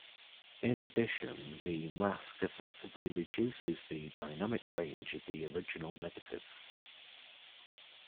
In addition, the mask effectively reduces the dynamic range of the original negative.